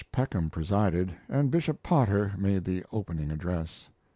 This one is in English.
Peckham presided, and Bishop Potter made the opening address.